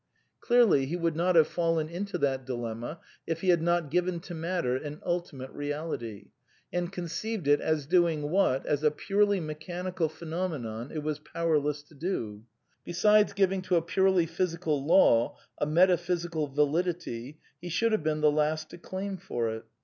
Clearly he would not have fallen into that dilemma if he had not given to matter an ultimate reality, and conceived it as doing what, as a purely mechanical phenomenon, it was powerless to do; besides giving to a purely physical law a metaphysical validity he should have been the last to claim for it.